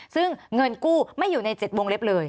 ซึ่งเงินกู้ไม่อยู่ใน๗วงเล็บเลย